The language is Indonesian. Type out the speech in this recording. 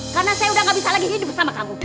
karena saya udah gak bisa lagi hidup sama kamu